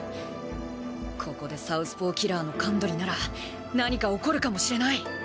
ここでサウスポーキラーの関鳥なら何か起こるかもしれない！